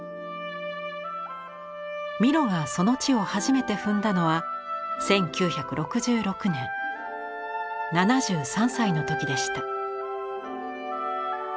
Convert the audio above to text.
ミロがその地を初めて踏んだのは１９６６年７３歳の時でした。